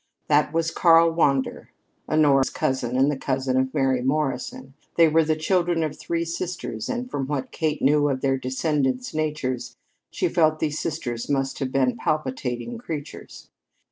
That was Karl Wander, Honora's cousin, and the cousin of Mary Morrison. They were the children of three sisters, and from what Kate knew of their descendants' natures, she felt these sisters must have been palpitating creatures.